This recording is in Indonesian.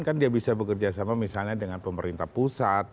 kan dia bisa bekerja sama misalnya dengan pemerintah pusat